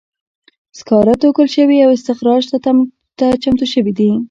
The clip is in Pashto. سکاره توږل شوي او استخراج ته چمتو شوي دي.